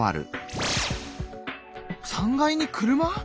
３階に車！？